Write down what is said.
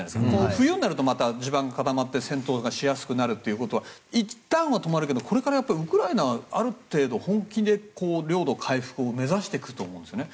冬になるとまた地盤が固まって戦闘がしやすくなるということはいったんは止まるけどこれからウクライナはある程度、本気で領土回復を目指していくと思うんですよね。